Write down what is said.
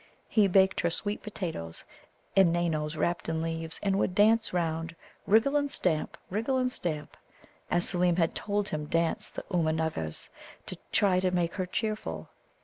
He baked her sweet potatoes and Nanoes wrapped in leaves, and would dance round, "wriggle and stamp wriggle and stamp," as Seelem had told him dance the Oomgar nuggas, to try to make her cheerful.